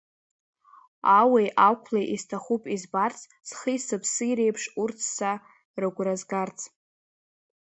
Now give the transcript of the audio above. Ауеи, ақәлеи, исҭахуп избарц, схи, сыԥси реиԥш, урҭ са рыгәра згарц.